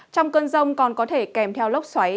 trong cơn rông còn có thể kèm theo lốc xoáy